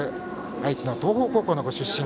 愛知の東邦高校のご出身